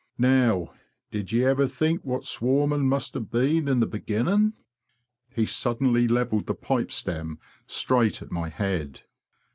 Now, did ye ever think what swarming must have been in the beginning? "' He suddenly levelled the pipe stem straight at my head.